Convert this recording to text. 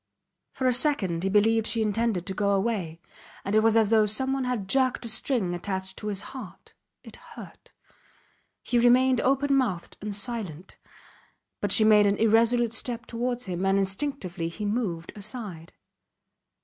For a second he believed she intended to go away, and it was as though someone had jerked a string attached to his heart. It hurt. He remained open mouthed and silent. But she made an irresolute step towards him, and instinctively he moved aside.